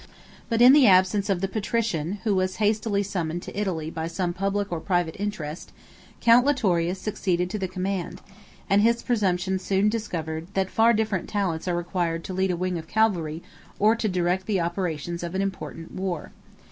But in the absence of the patrician, who was hastily summoned to Italy by some public or private interest, Count Litorius succeeded to the command; and his presumption soon discovered that far different talents are required to lead a wing of cavalry, or to direct the operations of an important war.